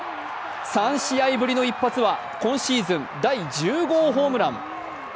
３試合ぶりの一発は今シーズン第１０号ホームラン。